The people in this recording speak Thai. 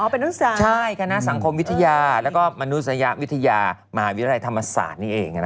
อ๋อเป็นนักศึกษาคณะสังคมวิทยาและมนุษยาวิทยามหาวิทยาลัยธรรมศาสตร์